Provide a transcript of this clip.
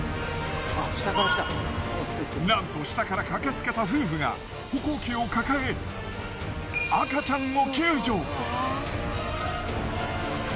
なんと下から駆けつけた夫婦が歩行器を抱え赤ちゃんを救助。